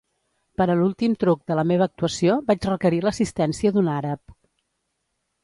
«Per a l'últim truc de la meva actuació vaig requerir l'assistència d'un àrab.